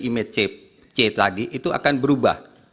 image c tadi itu akan berubah